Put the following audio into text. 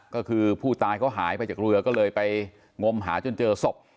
ก็คือผู้ตายเขาหายไปจากเรือก็เลยไปงมหาจนเจอศพ